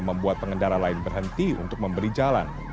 membuat pengendara lain berhenti untuk memberi jalan